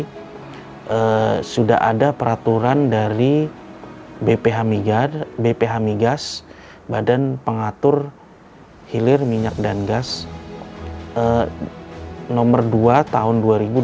karena sekarang bbm bersubsidi sudah ada peraturan dari bph migas badan pengatur hilir minyak dan gas nomor dua tahun dua ribu dua puluh tiga